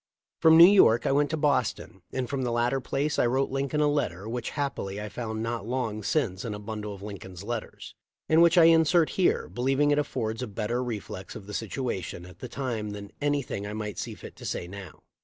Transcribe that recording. * From New York I went to Boston, and from the latter place I wrote Lincoln a letter which happily I found not long since in a bundle of Lincoln's letters, and which I insert here, believing it affords a better reflex of the situation at the time than anything I might see fit to say now.